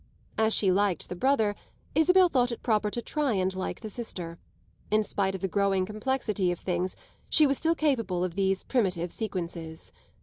As she liked the brother Isabel thought it proper to try and like the sister: in spite of the growing complexity of things she was still capable of these primitive sequences.